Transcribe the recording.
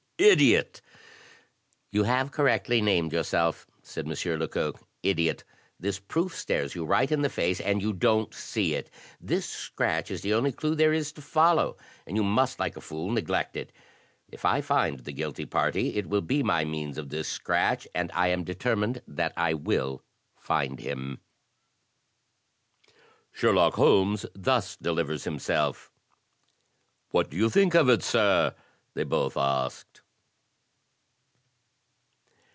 Idiot!" "You have correctly named yourself," said M. Lecoq. "Idiot! This proof stares you right in the face, and you don't see it! This scratch is the only clue there is to follow, and you must like a fool neglect it. If I find the guilty party, it will be by means of this scratch; and I am determined that I will find him." Sherlock Holmes thus delivers himself: "What do you think of it, sir?" they both asked.